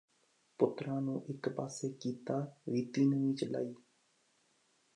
ਪੁੱਤਰਾਂ ਨੂੰ ਇਕ ਪਾਸੇ ਕੀਤਾ ਰੀਤੀ ਨਵੀਂ ਚਲਾਈ